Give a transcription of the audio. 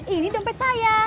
ini dompet saya